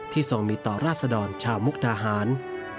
ทรงมีต่อราศดรชาวมุกดาหาร